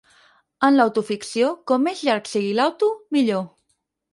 En l'autoficció, com més llarg sigui l'auto, millor!